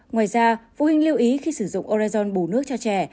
ngoài ra phụ huynh lưu ý khi sử dụng orezon bù nước cho trẻ